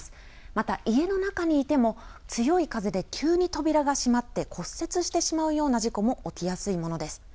また、家の中にいても強い風で急に扉が閉まって骨折してしまうような事故も起きやすいものです。